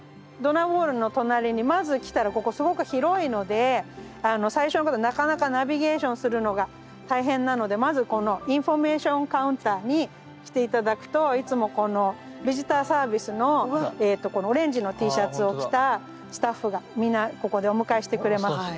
ドナーウォールの隣にまず来たらここすごく広いので最初のなかなかナビゲーションするのが大変なのでまずこのインフォメーションカウンターに来て頂くといつもこのビジターサービスのこのオレンジのＴシャツを着たスタッフが皆ここでお迎えしてくれます。